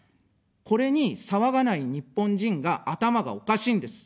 これに騒がない日本人が、頭がおかしいんです。